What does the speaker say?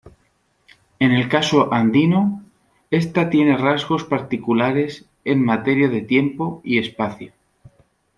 En el caso andino, esta tiene rasgos particulares en materia de tiempo y espacio.